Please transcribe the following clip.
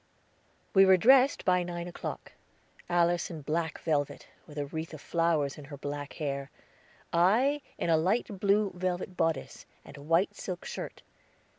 We were dressed by nine o'clock, Alice in black velvet, with a wreath of flowers in her black hair I in a light blue velvet bodice, and white silk skirt.